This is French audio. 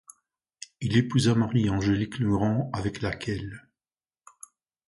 Il épousa Marie Angélique Legrand avec laquelle.